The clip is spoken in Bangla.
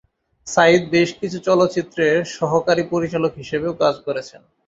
সাইদ বেশ কিছু চলচ্চিত্রে সহকারী পরিচালক হিসাবেও কাজ করেছেন।